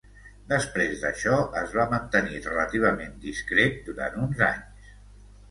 Després d'això, es va mantenir relativament discret durant uns anys.